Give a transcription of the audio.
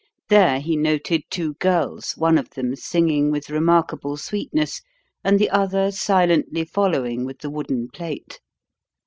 There he noted two girls, one of them singing with remarkable sweetness, and the other silently following with the wooden plate.